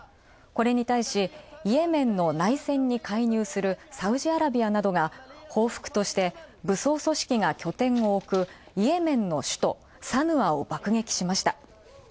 これに対しイエメンの内戦に介入するサウジアラビアが報復として武装組織が拠点を置く、イエメンの首都、サヌアを爆撃しました。